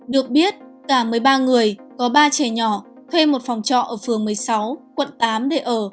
được biết cả một mươi ba người có ba trẻ nhỏ thuê một phòng trọ ở phường một mươi sáu quận tám để ở